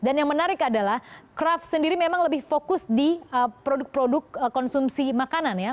dan yang menarik adalah kraft sendiri memang lebih fokus di produk produk konsumsi makanan ya